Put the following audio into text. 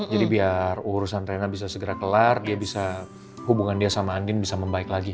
jadi biar urusan rena bisa segera kelar hubungan dia sama andin bisa membaik lagi